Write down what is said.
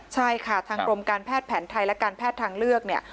ใช่ค่ะทางกรมการแพทย์แผนไทยและการแพทย์ทางเลือกเนี่ย